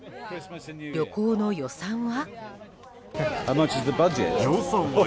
旅行の予算は？